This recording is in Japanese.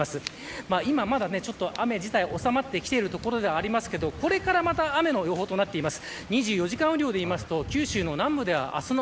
今はまだ雨自体収まってきていますがこれからまた雨の予報となっています。